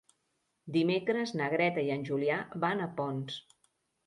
Dimecres na Greta i en Julià van a Ponts.